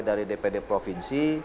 dari dpd provinsi